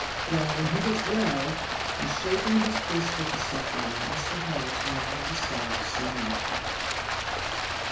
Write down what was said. Well, when he gets well!" and, shaking his fist at the sufferer, Mr. Hawes went out of the cell soon after.